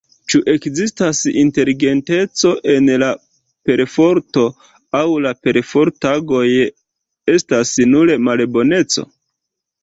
Ĉu ekzistas inteligenteco en la perforto, aŭ la perfort-agoj estas nur malboneco?